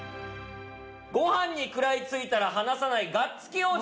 ごはんに食らいついたら離さないがっつき王子